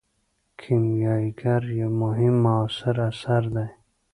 کیمیاګر یو مهم معاصر اثر دی.